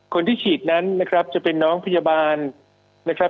คนที่ฉีดนั้นนะครับจะเป็นน้องพยาบาลนะครับ